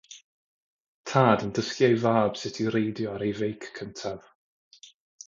Tad yn dysgu ei fab sut i reidio ei feic cyntaf.